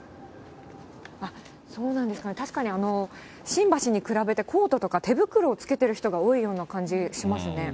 そうなんですかね、確かに新橋に比べて、コートとか手袋をつけている人が多いような感じしますね。